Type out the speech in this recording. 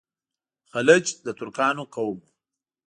خلج د ترکانو قوم وو.